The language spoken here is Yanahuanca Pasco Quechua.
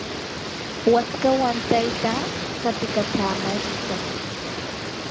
waskawan taytaa qatikachamashqa.